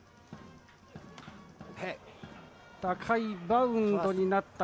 高いバウンドになった。